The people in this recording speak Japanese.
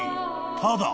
ただ］